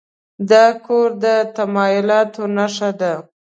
دا کور د تمایلاتو نښه ده.